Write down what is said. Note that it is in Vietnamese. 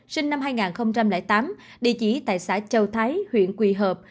sinh năm hai nghìn tám địa chỉ tại xã châu thái huyện quỳ hợp